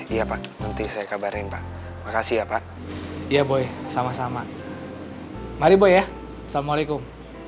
iya pak nanti saya kabarin pak makasih ya pak ya boleh sama sama mari boleh ya assalamualaikum